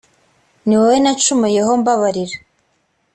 ni wowe nacumuyeho mbabarira.